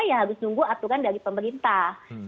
ya harus nunggu aturan dari pemerintah